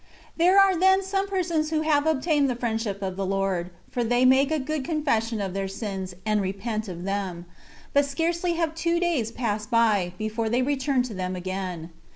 There are then some persons who have obtained the friendship of the Lord, for they make a good confession of their sins, and repent of them ; but scarcely have two days passed by, before they re turn to them again.